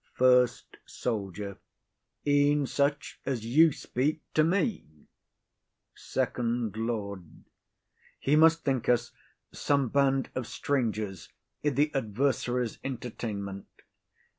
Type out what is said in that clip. FIRST SOLDIER. E'en such as you speak to me. FIRST LORD. He must think us some band of strangers i' the adversary's entertainment.